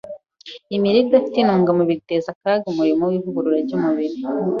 Imirire idafite intungamubiri iteza akaga umurimo w’ivugurura ry’ubuzima.